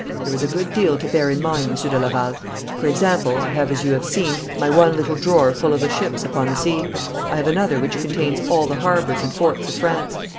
There is a good deal to bear in mind, Monsieur de Laval. For example, I have, as you have seen, my one little drawer full of the ships upon the sea. I have another which contains all the harbours and forts of France.